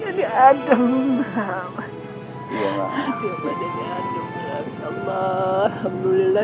yang lawan anggaran soleh langevelye